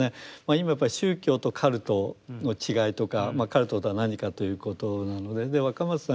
今やっぱり宗教とカルトの違いとかカルトとは何かということなので若松さん